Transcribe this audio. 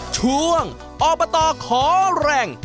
ช่วงโอปโตรขอแรง